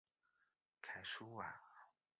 凯苏瓦。